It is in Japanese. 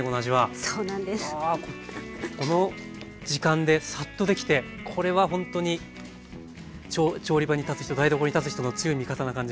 この時間でサッとできてこれはほんとに調理場に立つ人台所に立つ人の強い味方な感じがしますね。